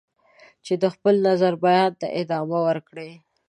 چې د خپل نظر بیان ته ادامه ورکړي.